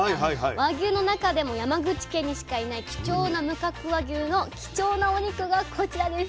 和牛の中でも山口県にしかいない貴重な無角和牛の貴重なお肉がこちらです。